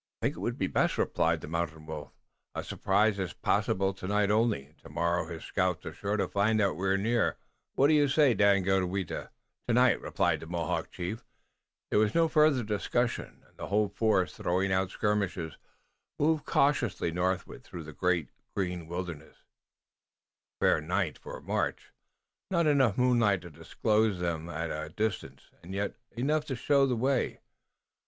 "I think it would be best," replied the Mountain Wolf. "A surprise is possible tonight only. Tomorrow his scouts are sure to find that we are near. What say you, Daganoweda?" "Tonight," replied the Mohawk chief, sententiously. There was no further discussion, and the whole force, throwing out skirmishers, moved cautiously northward through the great, green wilderness. It was a fair night for a march, not enough moonlight to disclose them at a distance, and yet enough to show the way.